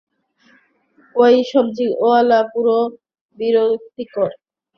ওই সবজিওয়ালা পুরো বিরক্তিকর।